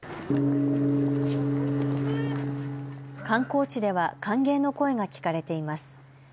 観光地では歓迎の声が聞かれています。